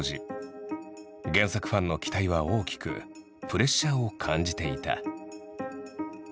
原作ファンの期待は大きくプレッシャーを感じていた。